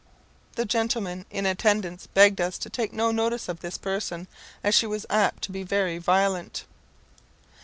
The gentleman in attendance begged us to take no notice of this person, as she was apt to be very violent.